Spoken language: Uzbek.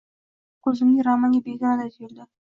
Negadir ko’zimga romanga begonaday tuyildi.